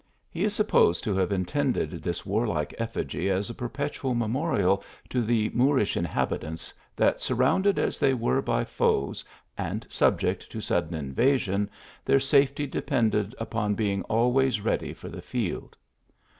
He is supposed to have intended this warlike effigy as a perpetual memorial to the Moorish inhabitants, that surrounded as they were by foes, 110 THE ALHAMBRA. and subject to sudden invasion, their safety depended upon being always ready for the field.